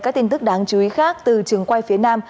các tin tức đáng chú ý khác từ trường quay phía nam